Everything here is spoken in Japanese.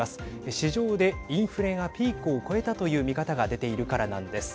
市場でインフレがピークを越えたという見方が出ているからなんです。